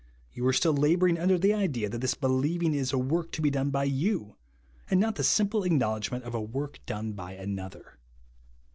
You are still labouring under the idea that this believing is a work to be done by you, and not the sim ple acknowledgment of a work done by another.